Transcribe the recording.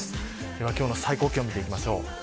では今日の最高気温見ていきましょう。